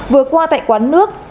vừa qua tại quán nước